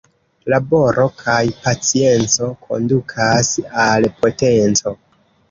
Laboro kaj pacienco kondukas al potenco.